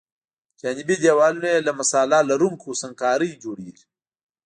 جانبي دیوالونه یې له مصالحه لرونکې سنګ کارۍ جوړیږي